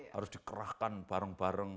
harus dikerahkan bareng bareng